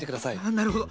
なるほど。